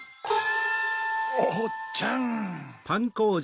おっちゃん。